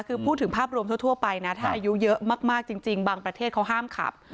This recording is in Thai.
คือพูดถึงภาพรวมทั่วไปนะถ้าอายุเยอะมากจริงบางประเทศเขาห้ามขับ